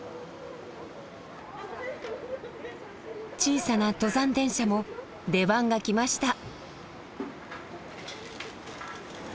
小さな登山電車も出番が来ました。